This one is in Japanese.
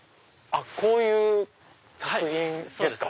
こういう作品ですか？